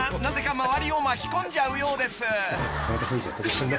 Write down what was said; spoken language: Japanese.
なぜか周りを巻き込んじゃうようです］